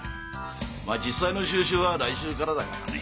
まあ実際の修習は来週からだからね